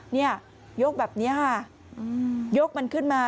นี่ยกแบบนี้ยกมันขึ้นมา